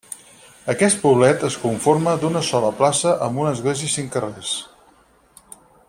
Aquest poblet es conforma d'una sola plaça amb una església i cinc carrers.